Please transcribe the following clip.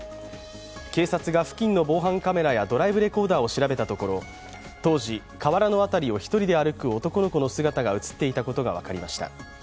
警察が付近の防犯カメラやドライブレコーダーを調べたところ当時、河原の辺りを１人で歩く男の子の姿が映っていたことが分かりました。